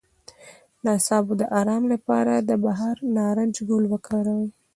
د اعصابو د ارام لپاره د بهار نارنج ګل وکاروئ